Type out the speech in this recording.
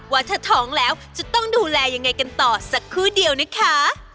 ว่าถ้าท้องแล้วจะต้องดูแลยังไงกันต่อสักครู่เดียวนะคะ